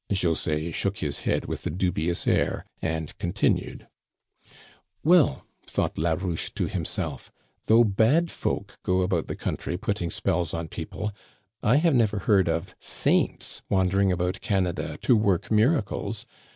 José shook his head with a dubious air and con tinued : "'Well,' thought Larouche to himself, 'though bad folk go about the country putting spells on people, I have never heard of saints wandering around Canada to work miracles.